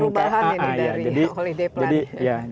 ada perubahan ini dari oleh depan